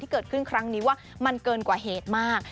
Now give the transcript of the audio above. เกิดขึ้นครั้งนี้ว่ามันเกินกว่าเหตุมาก